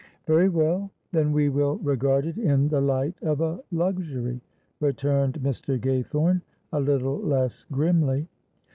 "Very well, then we will regard it in the light of a luxury," returned Mr. Gaythorne, a little less grimly.